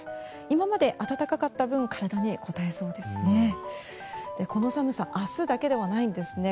今まで暖かかった分体にこたえそうですね。